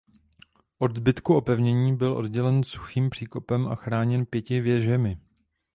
Od zbytku opevnění byl oddělen suchým příkopem a chráněn pěti věžemi.